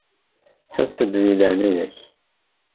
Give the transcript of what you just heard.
Ḥess-d di leɛnaya-k.